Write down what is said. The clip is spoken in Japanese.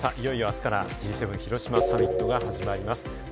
いよいよ明日からＧ７広島サミットが始まります。